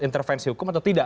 intervensi hukum atau tidak